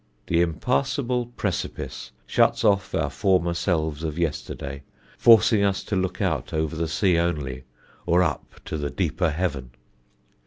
The impassable precipice shuts off our former selves of yesterday, forcing us to look out over the sea only, or up to the deeper heaven.